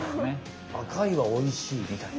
「赤いはおいしい」みたいな。